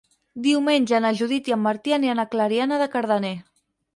Diumenge na Judit i en Martí aniran a Clariana de Cardener.